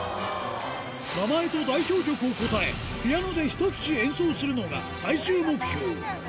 名前と代表曲を答え、ピアノで一節演奏するのが最終目標。